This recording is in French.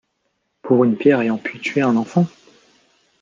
Pour une pierre ayant pu tuer un enfant. ?